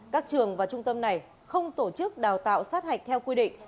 các trường và trung tâm này không tổ chức đào tạo sát hạch theo quy định